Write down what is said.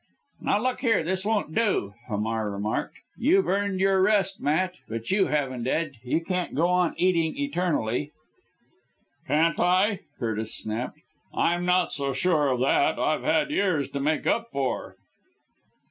"Now look here, this won't do," Hamar remarked, "you've earned your rest, Matt, but you haven't, Ed. You can't go on eating eternally." "Can't I?" Curtis snapped, "I'm not so sure of that, I've years to make up for."